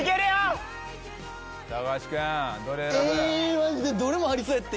マジでどれもありそうやって。